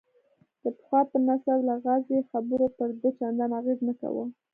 د پخوا په نسبت لغازي خبرو پر ده چندان اغېز نه کاوه.